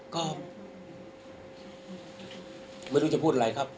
ก็ไม่รู้จะพูดอะไรครับ